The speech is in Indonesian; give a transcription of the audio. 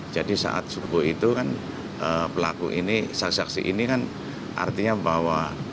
jadi saat subuh itu kan pelaku ini saksi saksi ini kan artinya bahwa